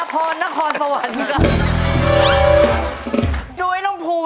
ชบไปแล้วค่ะ